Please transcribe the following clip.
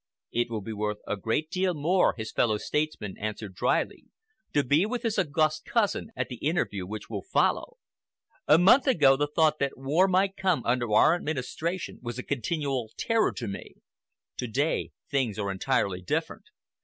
"It would be worth a great deal more," his fellow statesman answered dryly, "to be with his August cousin at the interview which will follow. A month ago, the thought that war might come under our administration was a continual terror to me. To day things are entirely different.